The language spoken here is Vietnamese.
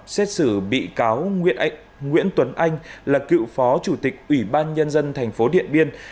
xét xử bị cáo nguyễn tuấn anh là cựu phó chủ tịch ủy ban nhân dân thành phố điện biên